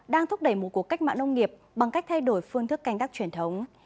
đang thúc đẩy một cuộc cách mạng nông nghiệp bằng cách thay đổi phương thức canh tác truyền thống